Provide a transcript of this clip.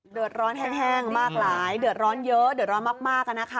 เดือดร้อนแห้งมากหลายเดือดร้อนเยอะเดือดร้อนมากนะคะ